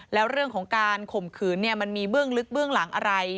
แล้วเรื่องของการข่มขืนมันมีเบื้องลึกเบื้องหลังอะไร